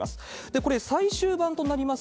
これ、最終版となります